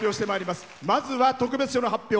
まずは特別賞の発表